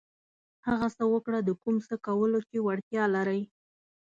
هغه څه وکړه د کوم څه کولو چې وړتیا لرئ.